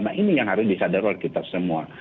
nah ini yang harus disadar oleh kita semua